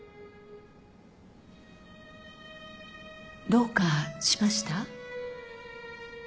どうかしました？